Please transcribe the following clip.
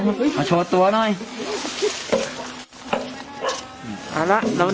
นี่เห็นจริงตอนนี้ต้องซื้อ๖วัน